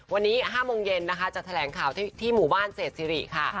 วันนี้๕โมงเย็นนะคะจะแถลงข่าวที่หมู่บ้านเศษสิริค่ะ